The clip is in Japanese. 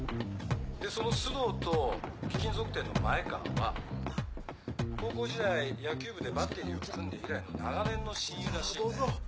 でその須藤と貴金属店の前川は高校時代野球部でバッテリーを組んで以来の長年の親友らしいね。